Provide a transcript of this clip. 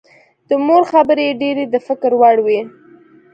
د مور خبرې یې ډېرې د فکر وړ وې